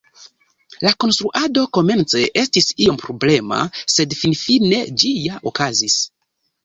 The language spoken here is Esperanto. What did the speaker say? La konstruado komence estis iom problema, sed finfine ĝi ja okazis.